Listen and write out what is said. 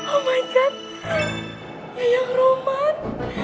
oh my god nyanyi roman